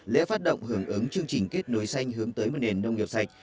lễ phát động hưởng ứng chương trình kết nối xanh hướng tới một nền nông nghiệp sạch